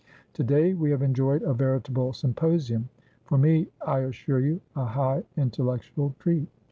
To day we have enjoyed a veritable symposiumfor me, I assure you, a high intellectual treat.